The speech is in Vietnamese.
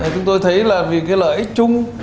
chúng tôi thấy là vì cái lợi ích chung